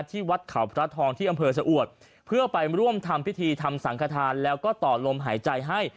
ที่วัดเขาพระทองที่อำเภอสะอวดเพื่อไปร่วมทำพิธีทำสังขทานแล้วก็ต่อลมหายใจให้